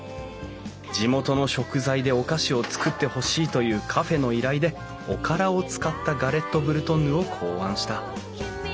地元の食材でお菓子を作ってほしいというカフェの依頼でおからを使ったガレットブルトンヌを考案した。